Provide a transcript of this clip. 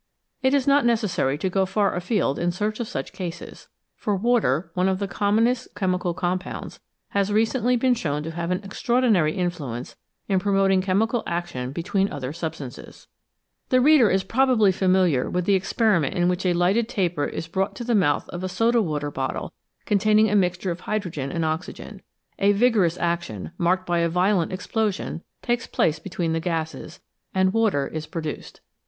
It is not necessary to go far afield in search of such cases, for water, one of the commonest chemical compounds, has recently been shown to have an extra ordinary influence in promoting chemical action between other substances. 326 SMALL CAUSES; GREAT EFFECTS The reader is probably familiar with the experiment in which a lighted taper is brought to the mouth of a soda water bottle containing a mixture of hydrogen and oxygen. A vigorous action, marked by a violent explosion, takes place between the gases, and water is produced.